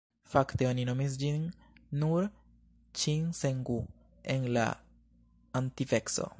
Fakte oni nomis ĝin nur ĉin sen gu en la antikveco.